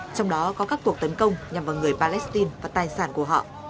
trong đó có các cuộc tấn công nhằm vào người palestine và tài sản của họ